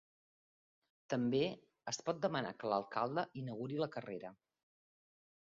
També, es pot demanar que l'alcalde inauguri la carrera.